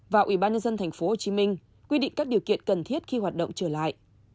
và ubnd tp hcm quy định các điều kiện cần thiết khi hoạt động trở lại